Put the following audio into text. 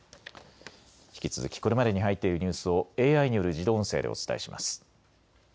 引き続きこれまでに入っているニュースをＡＩによる自動音声でお伝えします。